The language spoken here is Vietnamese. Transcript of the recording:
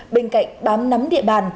bên cạnh bám nắm địa bàn